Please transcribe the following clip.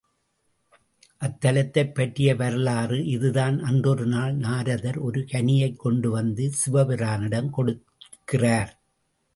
அத்தலத்தைப் பற்றிய வரலாறு இதுதான் அன்றொரு நாள் நாரதர் ஒரு கனியைக் கொண்டு வந்து சிவபிரானிடம் கொடுக்கிறார்.